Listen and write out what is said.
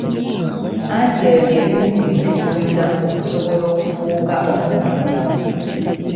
Anti ebyo bye bimu ku bintu by'oyitamu okusobala okufuuka omuntu mulamu.